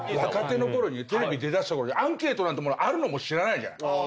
テレビ出だしたころにアンケートなんてものあるのも知らないじゃない。